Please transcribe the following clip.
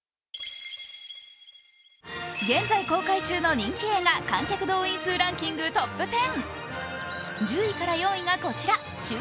現在公開中の人気映画観客動員数ランキングトップ１０。